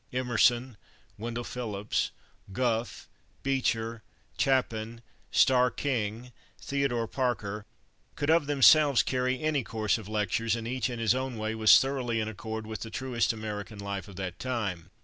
Emerson, Wendell Phillips, Gough, Beecher, Chapin, Starr King, Theodore Parker, could of themselves carry any course of lectures, and each in his own way was thoroughly in accord with the truest American life of that time.